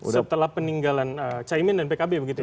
setelah peninggalan caimin dan pkb begitu ya